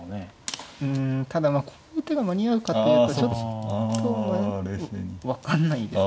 うんただまあこういう手が間に合うかっていうとちょっと分かんないです。